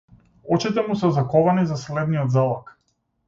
Очите му се заковани за следниот залак.